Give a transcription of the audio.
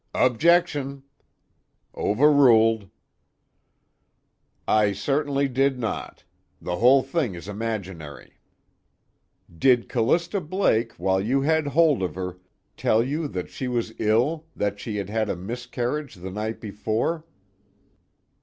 "Objection!" "Overruled." "I certainly did not. The whole thing is imaginary." "Did Callista Blake, while you had hold of her, tell you that she was ill, that she had had a miscarriage the night before?"